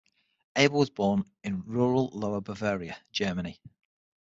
Abel was born in rural Lower Bavaria, Germany.